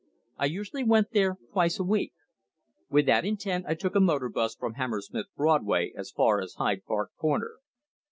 I usually went there twice a week. With that intent I took a motor 'bus from Hammersmith Broadway as far as Hyde Park Corner.